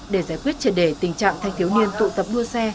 để giải quyết triệt đề tình trạng thanh thiếu niên tụ tập đua xe